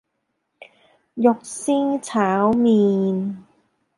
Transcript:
肉絲炒麪